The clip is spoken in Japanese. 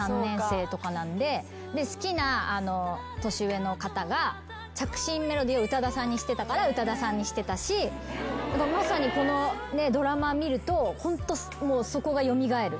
好きな年上の方が着信メロディーを宇多田さんにしてたから宇多田さんにしてたしまさにこのドラマ見るとホントそこが蘇る。